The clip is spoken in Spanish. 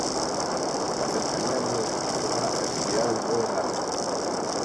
La cercanía mide de alguna forma la accesibilidad de un nodo en la red.